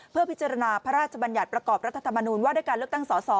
เพื่อพิจารณาพระราชบัญญัติประกอบรัฐธรรมนูญว่าด้วยการเลือกตั้งสอสอ